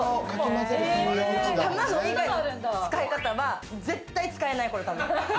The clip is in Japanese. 卵以外の使い方は絶対使えない、これたぶん。